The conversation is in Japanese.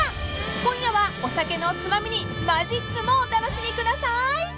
［今夜はお酒のツマミにマジックもお楽しみください］